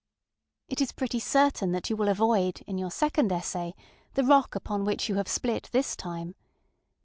It is pretty certain that you will avoid, in your second essay, the rock upon which you have split this time.